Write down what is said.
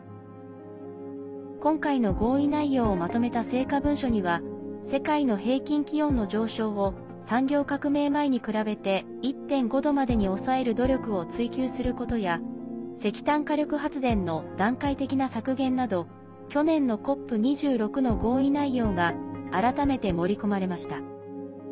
今回の合意内容をまとめた成果文書には世界の平均気温の上昇を産業革命前に比べて１．５度までに抑える努力を追求することや石炭火力発電の段階的な削減など去年のＣＯＰ２６の合意内容が改めて盛り込まれました。